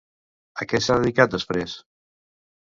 A què s'ha dedicat després?